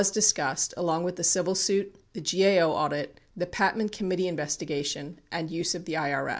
49 discussed along with the civil suit, the GAO audit, the Patman Com mittee investigation, and use of the IKS.